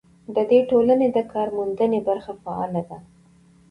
د دې ټولنې د کارموندنې برخه فعاله ده.